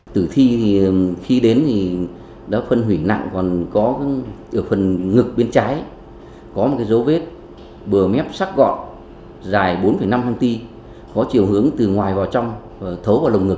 tử thi khi đến thì đã phân hủy nặng còn có phần ngực bên trái có một dấu vết bừa mép sắc gọn dài bốn năm cm có chiều hướng từ ngoài vào trong thấu vào lồng ngực